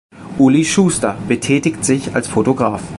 Uli Schuster betätigt sich als Fotograf.